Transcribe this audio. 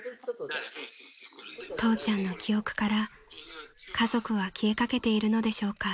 ［父ちゃんの記憶から家族は消えかけているのでしょうか］